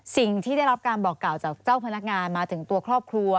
สิ่งที่ได้รับการบอกกล่าวจากเจ้าพนักงานมาถึงตัวครอบครัว